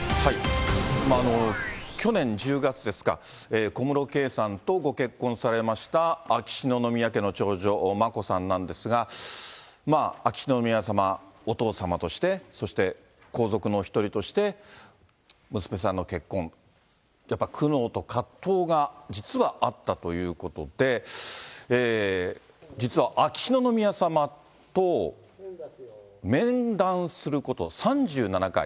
去年１０月ですか、小室圭さんとご結婚されました秋篠宮家の長女、眞子さんなんですが、秋篠宮さま、お父さまとして、そして皇族のお一人として、娘さんの結婚、やっぱ苦悩と葛藤が実はあったということで、実は秋篠宮さまと面談すること３７回。